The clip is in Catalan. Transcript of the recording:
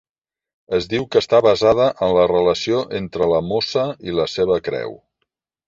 Es diu que està basada "en la relació entre la mossa i la seva creu".